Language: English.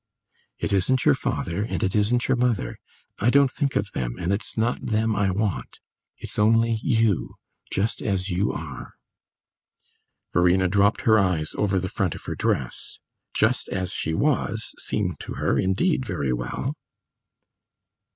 "It isn't your father, and it isn't your mother; I don't think of them, and it's not them I want. It's only you just as you are." Verena dropped her eyes over the front of her dress. "Just as she was" seemed to her indeed very well.